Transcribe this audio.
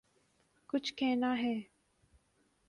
کچھ کہنا ہے